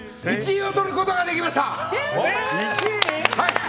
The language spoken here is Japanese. １位をとることができました！